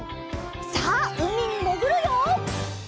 さあうみにもぐるよ！